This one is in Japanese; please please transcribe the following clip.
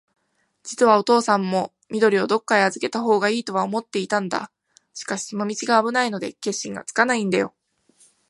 じつはおとうさんも、緑をどっかへあずけたほうがいいとは思っていたんだ。しかし、その道があぶないので、決心がつかないんだよ。